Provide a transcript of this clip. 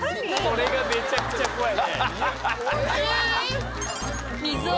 これがめちゃくちゃ怖い。